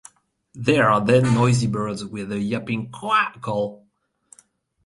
They are then noisy birds, with a yapping "kua" call.